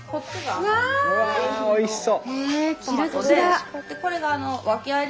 うわおいしそう！